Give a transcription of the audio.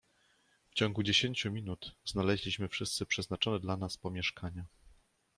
"W ciągu dziesięciu minut znaleźliśmy wszyscy przeznaczone dla nas pomieszkania."